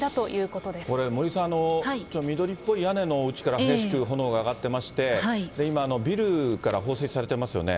これ、森さん、ちょっと緑っぽい屋根のおうちから激しく炎が上がっていまして、今、ビルから放水されていますよね。